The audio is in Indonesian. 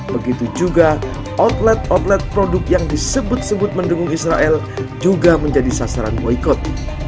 begitu juga outlet outlet produk yang disebut sebut mendengung israel juga menjadi sasaran boykot